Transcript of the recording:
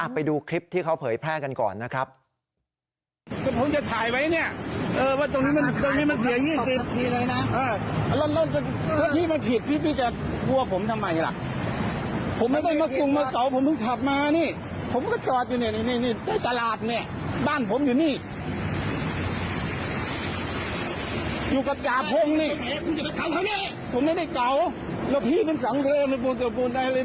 ไปดูคลิปที่เขาเผยแพร่กันก่อนนะครับ